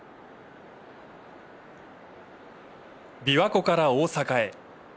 びわ湖から大阪へ。